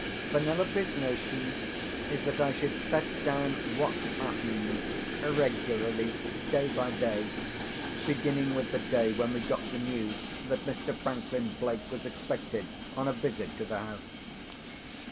Penelope's notion is that I should set down what happened, regularly day by day, beginning with the day when we got the news that Mr. Franklin Blake was expected on a visit to the house.